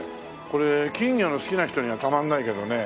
これ金魚の好きな人にはたまんないけどね。